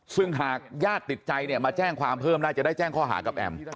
ซึ่งหากญาติติดใจเนี่ยมาแจ้งความเพิ่มได้จะได้แจ้งข้อหากับแอม